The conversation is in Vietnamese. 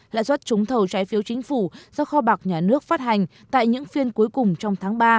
lãi suất trúng thầu trái phiếu chính phủ do kho bạc nhà nước phát hành tại những phiên cuối cùng trong tháng ba